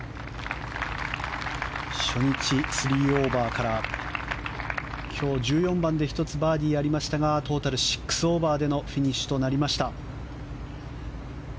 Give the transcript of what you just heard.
初日、３オーバーから今日１４番で１つバーディーありましたがトータル６オーバーでのフィニッシュとなりました。